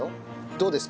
どうですか？